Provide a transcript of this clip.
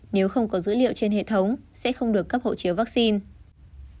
nếu không có dữ liệu trên hệ thống sẽ không được cấp hộ chiếu vaccine